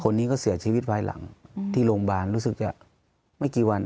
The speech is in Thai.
คนนี้ก็เสียชีวิตภายหลังที่โรงพยาบาลรู้สึกจะไม่กี่วัน